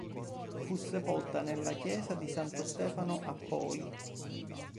Fu sepolta nella chiesa di Santo Stefano a Poli.